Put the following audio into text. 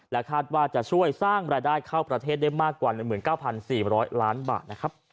คาดว่าจะช่วยสร้างรายได้เข้าประเทศได้มากกว่า๑๙๔๐๐ล้านบาทนะครับ